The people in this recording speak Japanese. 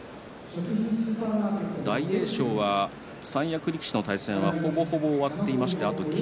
大栄翔は三役力士の対戦はほぼほぼ終わっていてあとは霧